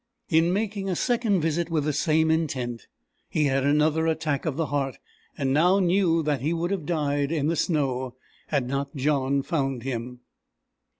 In making a second visit with the same intent, he had another attack of the heart, and now knew that he would have died in the snow had not John found him.